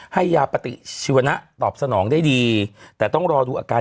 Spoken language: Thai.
ให้ยาปฏิชีวนะตอบสนองได้ดีแต่ต้องรอดูอาการ